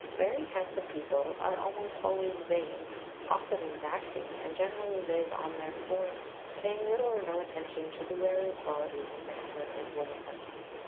Very handsome people are almost always vain, often exacting, and generally live on their form, paying little or no attention to the rarer qualities of manhood or womanhood.